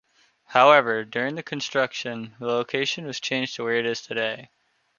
However, during the construction, the location was changed to where it is today.